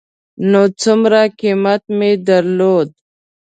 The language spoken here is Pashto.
نو څومره قېمت به مې درلود.